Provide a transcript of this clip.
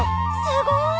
すごーい！